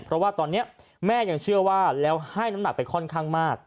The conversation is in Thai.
เพราะว่าตอนนี้แม่ยังเชื่อว่าแล้วให้น้ำหนักไปค่อนข้างมาก